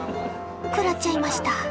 食らっちゃいました。